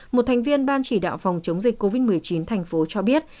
một thành viên ban chỉ đạo phòng chống dịch covid một mươi chín thành phố cho biết